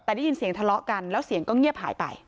แต่ได้ยินเสียงทะเลาะกันแล้วเสียงก็เงียบหายไป